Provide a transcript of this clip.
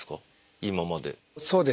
今まで。